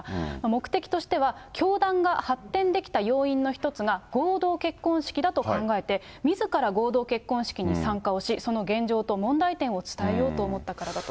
目的としては、教団が発展できた要因の一つが合同結婚式だと考えて、みずから合同結婚式に参加をし、その現状と問題点を伝えようと思ったからだ